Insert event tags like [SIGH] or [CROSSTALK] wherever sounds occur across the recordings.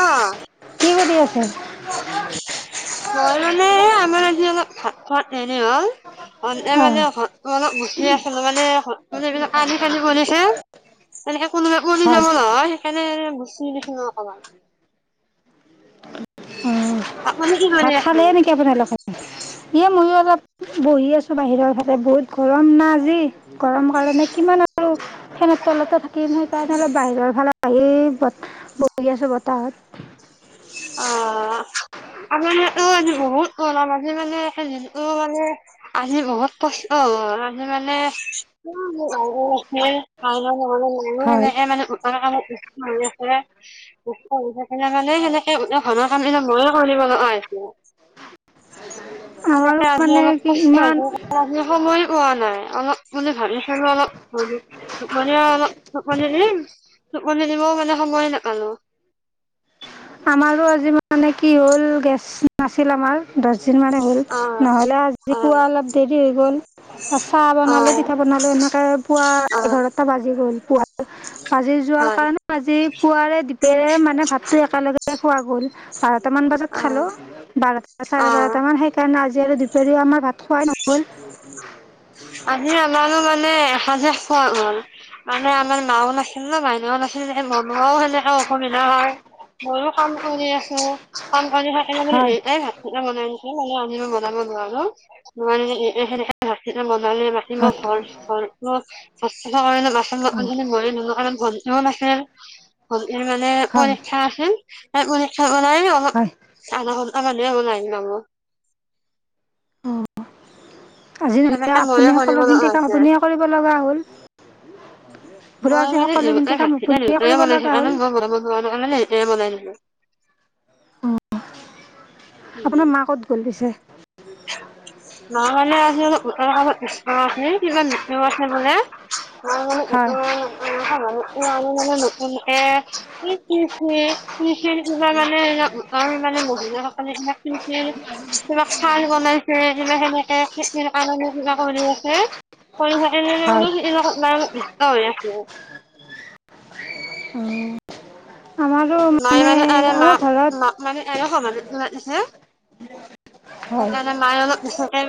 অ', কি সুধি আছে? মই মানে এ আমাৰ আজি অলপ ভাত খোৱা দেৰি হ'ল, হ'লেও অ', মানে স অলপ মুচি আছিলো মানে [UNINTELLIGIBLE] তেনেকে কোনোবাই পৰি হয়। যাব নহয়, সেইকাৰণে মুচি দিছিলোঁ অকমান। অ', আপুনি কি কৰি ভাত খালেই আছিলে? নেকি আপোনালোকে? এ ময়ো অলপ বহি আছো বাহিৰৰ ফালে, বহুত গৰম না আজি। গৰম কাৰণে কিমান আৰু ফেনত তলতে থাকিম সেইকাৰণে অলপ বাহিৰৰ ফালে আহি বতা-বহি আছো বতাহত। অ'। আমাৰ ইয়াতো আজি বহুত গৰম। আজি [UNINTELLIGIBLE] একদম দিনতো মানে আজি বহুত কষ্ট হ'ব [UNINTELLIGIBLE] মানে [UNINTELLIGIBLE] হয়, সেনেকে মানে [UNINTELLIGIBLE] সেই গোটে ঘৰৰ কামবিলাক ময়ে কৰিব লগা হ [UNINTELLIGIBLE] আমাৰো সেনেকে আজি মানে অলপ কি কষ্ট ইমান হৈছে। আজি সময়ে পোৱা নাই অলপ বুলি ভাবিছিলো অলপ দুপৰীয়া অলপ টোপনি দিম। টোপনি দিবও মানে সময়ে নাপালো। আমাৰো আজি মানে কি হ'ল গেছ নাছিল আমাৰ দশ দিন মানে হ'ল। অ নহ'লে আজি অ পুৱা অলপ দেৰি হৈ গ'ল। চাহ অ বনালো, পিঠা বনালো এনেকে পুৱা অ এঘাৰটা বাজি গ'ল। পুৱ বাজি যোৱাৰ হয় কাৰণে আজি পুৱাৰে-দিপেৰে মানে ভাতটো একেলগে খোৱা গ'ল। বাৰটামান বজাত অ খালোঁ। বাৰটা-চাৰে অ বাৰটামান সেইকাৰণে আজি আৰু দুপৰীয়া আমাৰ ভাত খুৱাই নগ'ল। আজি আমাৰো মানে এসাজে খোৱা গ'ল। মানে আমাৰ মাও নাছিল ন, মাইনাও নাছি [UNINTELLIGIBLE] সেনেকে অসুবিধা হয় ময়ো কাম কৰি আছো। কাম কৰি হয় খ [UNINTELLIGIBLE] [UNINTELLIGIBLE] হয় [UNINTELLIGIBLE] ভণ্টিও নাছিল, হয় ভণ্টিৰ মানে পৰীক্ষা আছিল। তাই হয় পৰীক্ষা ওলাই [UNINTELLIGIBLE] হয়। আধা ঘণ্টা কাৰণেহে বনাই [UNINTELLIGIBLE] আজি নহ, লে সেনেকে ময়ে আপুনিয়ে কৰিব সকলোখিনি লগা কাম হৈছে। আপুনিয়ে কৰিব লগা হ'ল। বোলো মই আজি মানে সকলোখিনি দেউতাই কাম ভাত কেইটা আপুনিয়ে দেউতাই কৰিব বনাই লগা থকা ন, হ'ল মই বনাব নোৱাৰো নহয় [UNINTELLIGIBLE] উম, আপোনাৰ মা ক'ত গ'ল পিছে? মা মানে আজি গোটৰ কামত ব্যস্ত আছে, কিবা লিখিব আছে বোলে। মা মানে হয়, গোটৰ [UNINTELLIGIBLE] মানে নতুন গোটে কি কি কি কি কি লিখিবা মানে আমাৰ মানে মহিলাসকলে কিবাকে লিখে, কিবা সেনেকে খেতিৰ কাৰণে কিবা কৰি আছে কৰি থাকিলে হয়। অলপ, আপোনাৰ কিবাকে হৈ আছিল। উম আমাৰ, নাই মানে এনে মা ঘৰত মা মানে এনেকা মানে হে, হয়। সেইকাৰণে মায়ে অলপ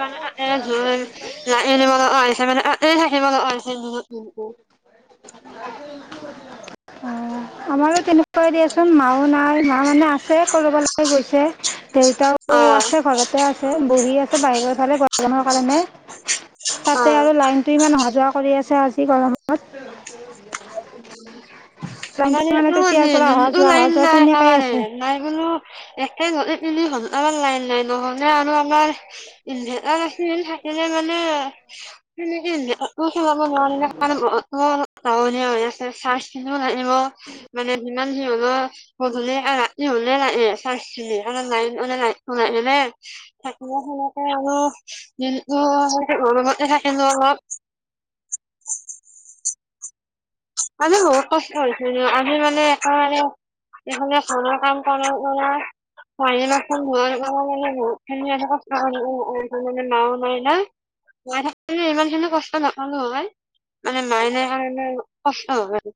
মানে ওচৰতে থাকে। লাহ নিমল আহিছে মানে এ লিমলিছে উ উম [UNINTELLIGIBLE] মোৰো তেনেকুৱাই দিয়াচোন মাও নাই মা মানে আছে কৰবালৈ গৈছে। দেউতাও অ'। আছে ঘৰতে আছে বহি আছে বাহিৰৰ ফালে গৰমৰ কাৰণে, তাতে অ' আৰু লাইনটো ইমান অহা যোৱা কৰি আছে আজি গৰমত। উম লাইনটো মানে উম তেতিয়াৰ পৰা অহা দিনটো যোৱা অহা লাইন যোৱা নাই তেনেকাই একেবাৰে। আছে। নাই বোলো একে ৰাহে তিনি ঘণ্টা লাইন নাই নহ'লে আৰু আমাৰ, ইনভাৰাইটা থাকিলে মানে সেনেকে, প ন মাৱ চ [UNINTELLIGIBLE] হলেও মানে যিমান যি হলেও, গধূলি আকৌ ৰাতি হলে লাইন যায়, চাৰ্চ অকণমাণ লাগে লাইনটো নাহিলে। থাকিলে সেনেকে আৰু যতে থাকিল অলপ [UNINTELLIGIBLE] আমি সৰু পৰা কষ্ট কৰিছো আমি মানে একেবাৰে। এইখে খান কমাই [UNINTELLIGIBLE] মখনে বহুত খিনি ক মানে নাও নাই না [UNINTELLIGIBLE] মাই থাকে ইমান খিনি কষ্ট নাপালো হয় মানে মাই নাই কাৰণে। কষ্ট হয়।